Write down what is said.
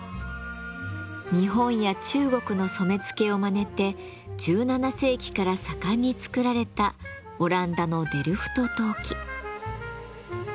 日本や中国の染付をまねて１７世紀から盛んに作られたオランダのデルフト陶器。